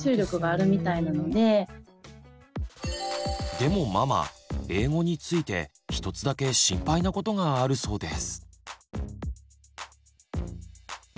でもママ英語について１つだけ心配なことがあるそうです。